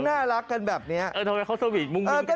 น่ารักกันแบบนี้เออทำไมเขาสวีทมุ่งมั่นกัน